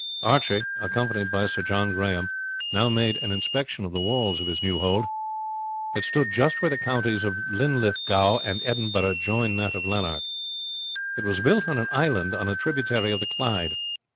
Archie, accompanied by Sir John Grahame, now made an inspection of the walls of his new hold. It stood just where the counties of Linlithgow and Edinburgh join that of Lanark. It was built on an island on a tributary of the Clyde.